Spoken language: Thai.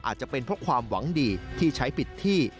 อาจจะเป็นเพราะความหวังดีที่ใช้ปิดที่